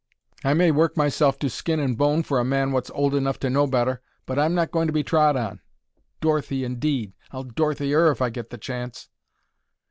I may work myself to skin and bone for a man wot's old enough to know better, but I'm not going to be trod on. Dorothy, indeed! I'll Dorothy 'er if I get the chance."